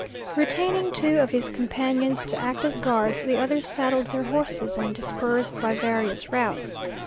Retaining two of his companions to act as guards, the others saddled their horses and dispersed by various routes.